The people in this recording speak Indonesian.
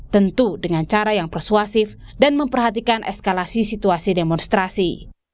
tentu dengan cara yang persuasif dan memperhatikan eskalasi situasi demonstrasi